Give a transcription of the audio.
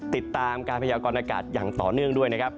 ติดตามการพยากรณากาศอย่างต่อเนื่องด้วยนะครับ